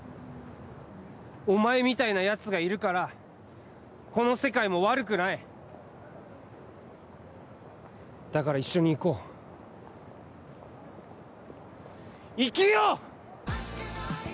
お前みたいなやつがいるからこの世界も悪くないだから一緒に行こう生きよう！